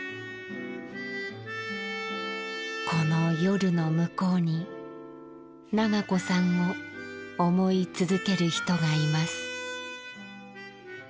この夜の向こうに伸子さんを思い続ける人がいます。